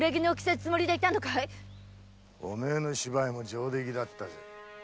お前の芝居も上出来だったぜ。